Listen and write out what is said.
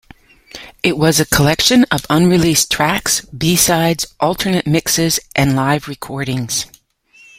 It was a collection of unreleased tracks, b-sides, alternate mixes, and live recordings.